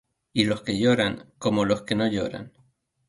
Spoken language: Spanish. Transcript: Y los que lloran, como los que no lloran;